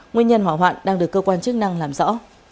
nguyên nhân hỏa hoạn đang được cơ quan chức năng làm rõ